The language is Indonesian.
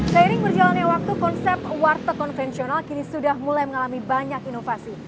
seiring berjalannya waktu konsep warteg konvensional kini sudah mulai mengalami banyak inovasi